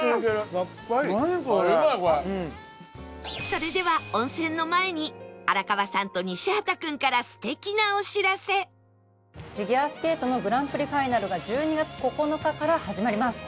それでは温泉の前に荒川さんと西畑君からフィギュアスケートのグランプリファイナルが１２月９日から始まります。